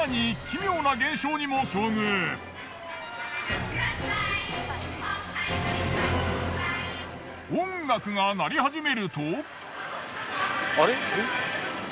更に音楽が鳴り始めると。